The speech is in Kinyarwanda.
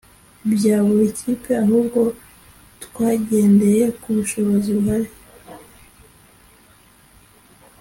bya buri kipe, ahubwo twagendeye ku bushobozi buhari.”